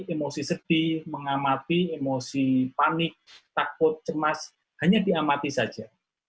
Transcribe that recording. emosi sedih mengamati emosi panik takut cemas hanya diamati saja